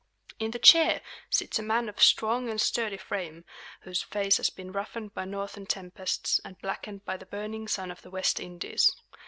In the chair sits a man of strong and sturdy frame, whose face has been roughened by northern tempests and blackened by the burning sun of the West Indies.